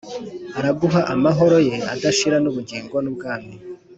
Araguha amahoro ye adashira n’ubugingo n’ubwami